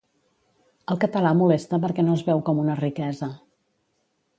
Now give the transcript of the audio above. El català molesta perquè no es veu com una riquesa